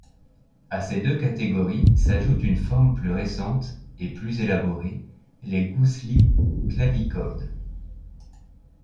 À ces deux catégories s'ajoute une forme plus récente et plus élaborée, les gousli-clavicorde.